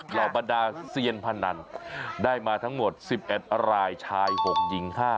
เหล่าบรรดาเซียนพนันได้มาทั้งหมด๑๑รายชาย๖หญิง๕